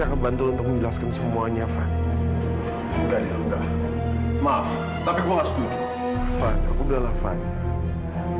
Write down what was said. tidak bisa bisa di stres memikirkan ya om